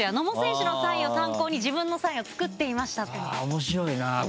面白いな。